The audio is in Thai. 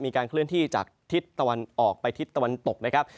มีการเคลื่อนที่จากทิศตะวันออกไปทิศตะวันตกนะครับ